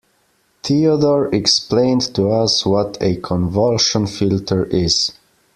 Theodore explained to us what a convolution filter is.